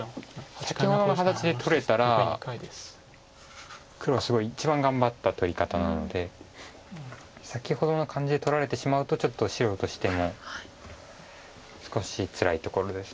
先ほどの形で取れたら黒はすごい一番頑張った取り方なので先ほどの感じで取られてしまうとちょっと白としても少しつらいところです。